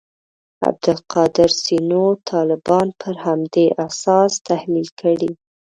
عبدالقادر سینو طالبان پر همدې اساس تحلیل کړي.